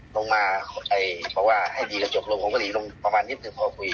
ลงมาเพราะว่าให้ดีกระจกลงผมก็หนีลงประมาณนิดนึงพอคุย